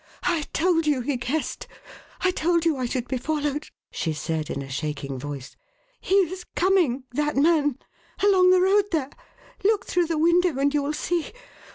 "I told you he guessed; I told you I should be followed!" she said in a shaking voice. "He is coming that man: along the road there! look through the window and you will see.